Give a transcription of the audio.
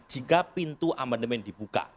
jika pintu amandemen dibuka